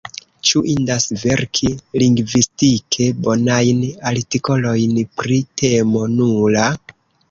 Ĉu indas verki lingvistike bonajn artikolojn pri temo nula?